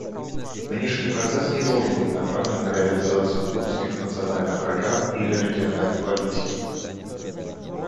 Нынешний процесс не должен быть направлен на реализацию узких национальных программ или региональной политики.